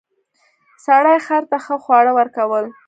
سړي خر ته ښه خواړه ورکول.